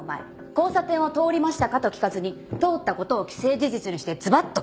「交差点を通りましたか？」と聞かずに通ったことを既成事実にしてずばっと切り込む。